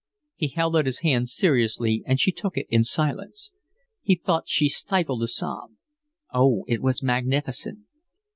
He held out his hand seriously, and she took it in silence. He thought she stifled a sob. Oh, it was magnificent!